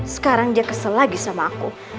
sekarang dia kesel lagi sama aku